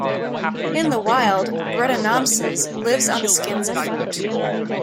In the wild, "Brettanomyces" lives on the skins of fruit.